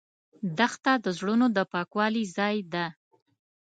دښته د زړونو د پاکوالي ځای ده.